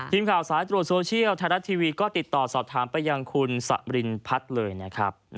ทีมข่าวสายตรวจโซเชียลไทยรัฐทีวีก็ติดต่อสอบถามไปยังคุณสมรินพัฒน์เลยนะครับ